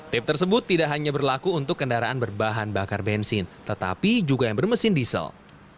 tip tersebut tidak hanya berlaku untuk kendaraan berbahan bakar bensin tetapi juga yang bermesin diesel